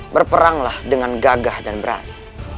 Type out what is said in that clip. berperanglah dengan gagah dan berani